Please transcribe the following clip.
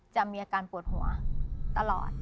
จะมีอาการปวดหัวตลอด